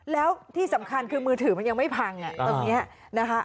แล้วที่สำคัญคือมือถือมันยังไม่พังตรงนี้นะคะ